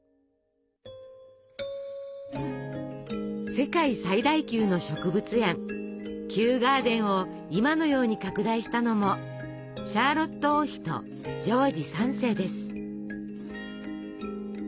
世界最大級の植物園「キューガーデン」を今のように拡大したのもシャーロット王妃とジョージ３世です。